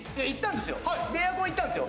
エアコンいったんですよ。